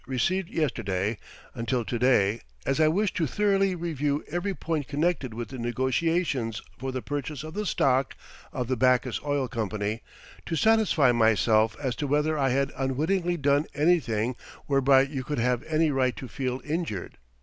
received yesterday, until to day, as I wished to thoroughly review every point connected with the negotiations for the purchase of the stock of the Backus Oil Company, to satisfy myself as to whether I had unwittingly done anything whereby you could have any right to feel injured.